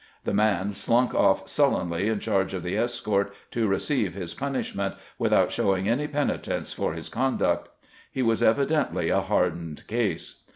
The man slunk off sullenly in charge of the escort to receive his punishment, without showing any penitence for his conduct. He was evidently a hardened case.